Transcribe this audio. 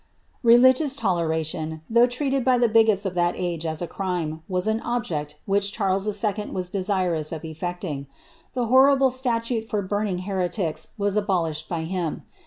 Religious toleration, though treated by the bigots of that age as a crime, was an object which Charles II. was desirous of effecting. The horrible statute for burning heretics was abolished by him.